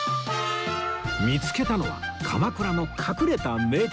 見付けたのは鎌倉の隠れた名店